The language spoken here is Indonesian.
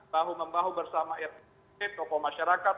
bahu membahu bersama ruv toko masyarakat